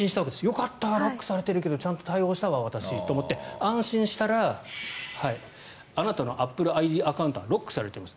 よかった、ロックされてるけどちゃんと対応したわと安心したらあなたのアップルＩＤアカウントはロックされています。